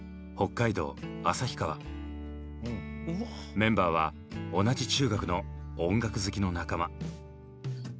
メンバーは同じ中学の音楽好きの仲間。